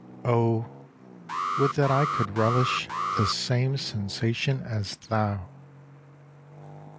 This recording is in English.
Oh, would that I could relish the same sensation as thou